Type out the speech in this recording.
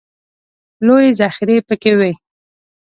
لویې ذخیرې پکې وې.